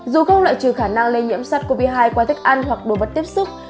dù không loại trừ khả năng lây nhiễm sars cov hai qua thức ăn hoặc đồ vật tiếp xúc